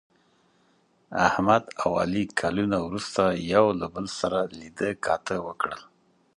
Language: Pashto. احمد او علي کلونه وروسته یو له بل سره لیده کاته وکړل.